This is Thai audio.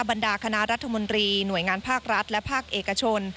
บรรดาคณะรัฐมนตรีหน่วยงานภาครัฐและภาคเอกชน